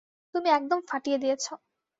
তুমি একদম ফাটিয়ে দিয়েছ।